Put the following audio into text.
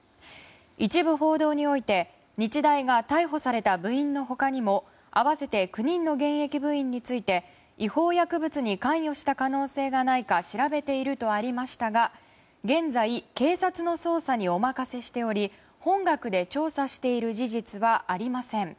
一部報道において、日大が逮捕された部員の他にも合わせて９人の現役部員について違法薬物に関与した可能性がないか調べているとありましたが現在、警察の捜査にお任せしており本学で調査している事実はありません。